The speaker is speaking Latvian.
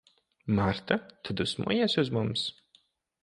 Marta, tu dusmojies uz mums?